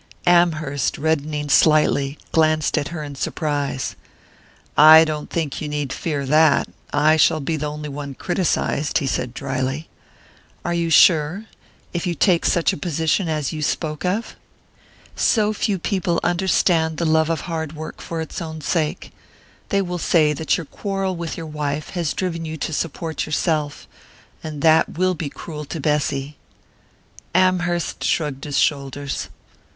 Amherst, reddening slightly, glanced at her in surprise. "I don't think you need fear that I shall be the only one criticized," he said drily. "Are you sure if you take such a position as you spoke of? So few people understand the love of hard work for its own sake. They will say that your quarrel with your wife has driven you to support yourself and that will be cruel to Bessy." Amherst shrugged his shoulders.